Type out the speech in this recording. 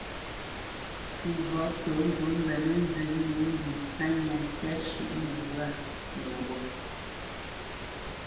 Nəghǎ pə ŋgǔt mbenə́ nzə nǒ ndu hánya ntyá shʉ́ʼnə wâ noghó.